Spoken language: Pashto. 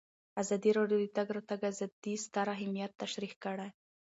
ازادي راډیو د د تګ راتګ ازادي ستر اهميت تشریح کړی.